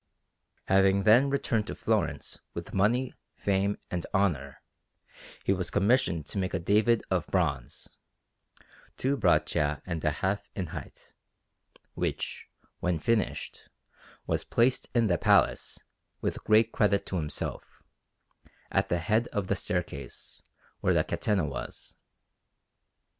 Having then returned to Florence with money, fame, and honour, he was commissioned to make a David of bronze, two braccia and a half in height, which, when finished, was placed in the Palace, with great credit to himself, at the head of the staircase, where the Catena was.